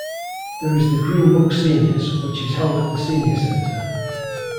There is the Green Brook Seniors, which is held at the Senior Center.